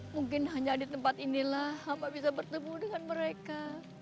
mungkin hanya di tempat inilah apa bisa bertemu dengan mereka